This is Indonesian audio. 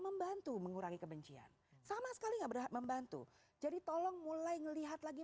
membantu mengurangi kebencian sama sekali nggak berat membantu jadi tolong mulai melihat lagi